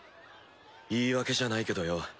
言い訳じゃないけどよ